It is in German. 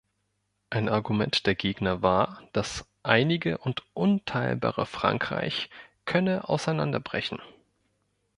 Ein Argument der Gegner war, das „einige und unteilbare“ Frankreich könne auseinanderbrechen.